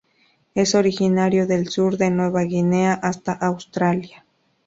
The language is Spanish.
Es originario del sur de Nueva Guinea hasta Australia.